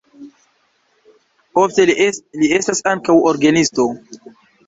Ofte li estas ankaŭ orgenisto.